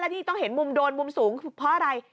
ที่ต้องเห็นมุมโดนมุมสูงเพราะอะไร